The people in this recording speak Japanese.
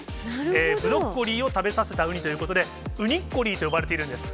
ブロッコリーを食べさせたウニということで、ウニッコリーと呼ばれているんです。